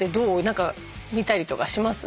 何か見たりとかします？